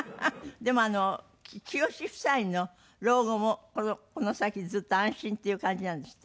でもあのきよし夫妻の老後もこの先ずっと安心っていう感じなんですって？